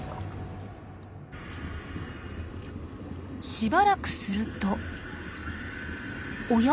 しばらくするとおや？